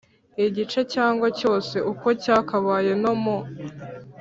igice cyangwa cyose uko cyakabaye no mu